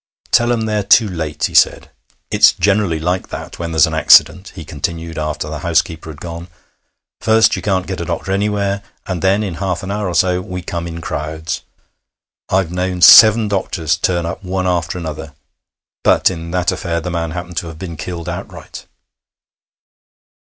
'Tell 'em they're too late,' he said. 'It's generally like that when there's an accident,' he continued after the housekeeper had gone. 'First you can't get a doctor anywhere, and then in half an hour or so we come in crowds. I've known seven doctors turn up one after another. But in that affair the man happened to have been killed outright.'